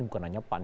bukan hanya pan